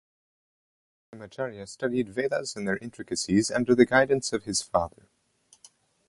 Krishnamacharya studied vedas and their intricacies under the guidance of his father.